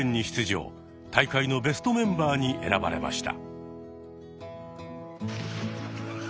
大会のベストメンバーに選ばれました。